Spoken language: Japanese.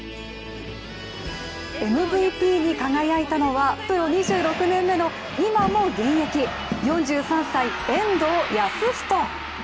ＭＶＰに輝いたのはプロ２６年目の今も現役、４３歳、遠藤保仁。